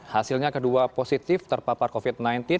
hasilnya kedua positif terpapar covid sembilan belas